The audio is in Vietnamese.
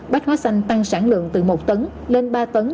bách hóa xanh tăng sản lượng từ một tấn lên ba tấn